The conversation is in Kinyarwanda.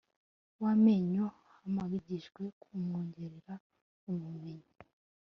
w amenyo hagamijwe kumwongerera ubumenyi